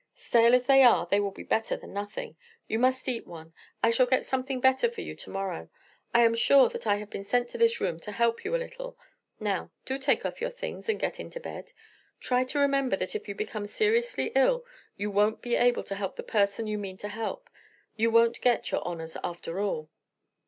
"Stale as they are, they will be better than nothing. You must eat one. I shall get something better for you to morrow. I am sure that I have been sent to this room to help you a little. Now, do take off your things, and get into bed. Try to remember that if you become seriously ill you won't be able to help the person you mean to help; you won't get your honors after all."